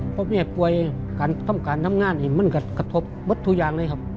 เพราะแม่กลัวทำงานมันกระทบบทุกอย่างเลยครับ